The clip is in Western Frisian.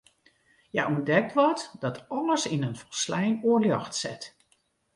Hja ûntdekt wat dat alles yn in folslein oar ljocht set.